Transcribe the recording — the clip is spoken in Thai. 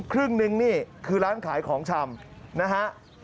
ครึ่งนึงนี่คือร้านขายของชำนะฮะ